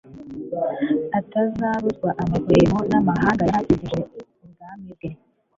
atabuzwa amahwemo namahanga yari akikije ubwami bwe